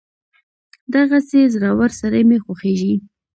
دغسې زړور سړی مې خوښېږي.